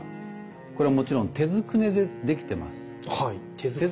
これはもちろん手捏ねで出来てます。